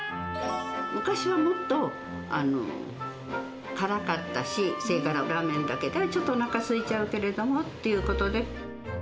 昔はもっと辛かったし、それからラーメンだけでは、ちょっとおなかすいちゃうけれどもっていうことで。